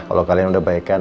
kalo kalian udah baik kan